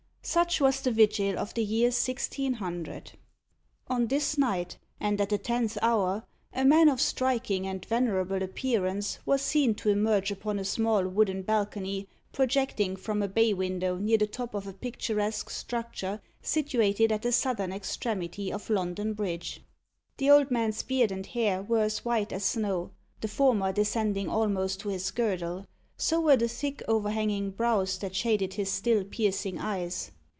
Such was the vigil of the year sixteen hundred. On this night, and at the tenth hour, a man of striking and venerable appearance was seen to emerge upon a small wooden balcony, projecting from a bay window near the top of a picturesque structure situated at the southern extremity of London Bridge. The old man's beard and hair were as white as snow the former descending almost to his girdle; so were the thick, overhanging brows that shaded his still piercing eyes.